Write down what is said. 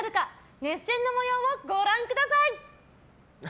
熱戦の模様をご覧ください。